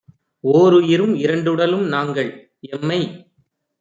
ஓருயிரும் இரண்டுடலும் நாங்கள்! எம்மை